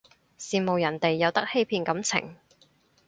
羨慕人哋有得欺騙感情